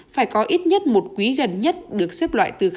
phải có ít nhất một quý gần nhất được xếp